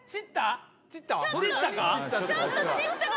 ちったか？